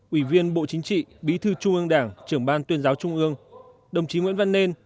ủy viên bộ chính trị bí thư trung ương đảng trưởng ban tuyên giáo trung ương đồng chí nguyễn văn nên